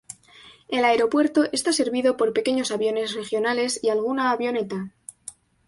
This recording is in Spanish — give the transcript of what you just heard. El aeropuerto está servido por pequeños aviones regionales y alguna avioneta.